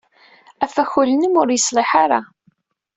Afakul-nnem ur yeṣliḥ ara.